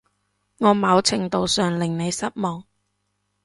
我某程度上令你失望